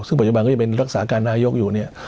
ซึ่งปัจจุบันก็ยังเป็นรักษาการนายกอยู่เนี่ย